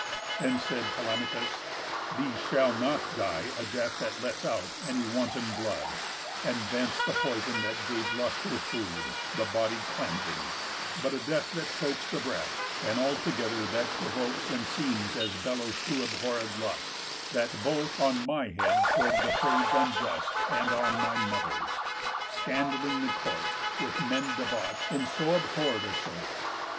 Then said Telemachus: "These shall not die A death that lets out any wanton blood, And vents the poison that gave lust her food, The body cleansing, but a death that chokes The breath, and altogether that provokes And seems as bellows to abhorréd lust, That both on my head pour'd depraves unjust, And on my mother's, scandalling the Court, With men debauch'd, in so abhorr'd a sort."